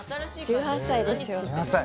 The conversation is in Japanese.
１８歳ですよ私。